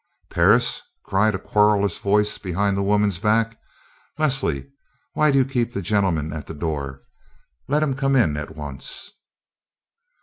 "Paris?" cried a querulous voice behind the woman's back. "Leslie, why do you keep the gentleman at the door? Let him come in at once."